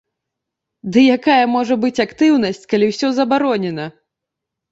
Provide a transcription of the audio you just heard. Ды якая можа быць актыўнасць, калі ўсё забаронена?